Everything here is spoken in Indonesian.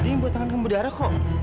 ada yang buat tangankamu berdarah kok